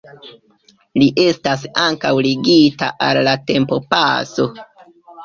Li estas ankaŭ ligita al la tempopaso.